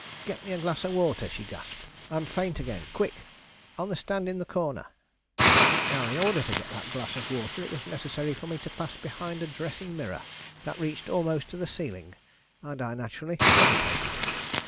'Get me a glass of water!' she gasped; 'I'm faint again quick! on the stand in the corner.' Now in order to get that glass of water it was necessary for me to pass behind a dressing mirror that reached almost to the ceiling; and I naturally hesitated.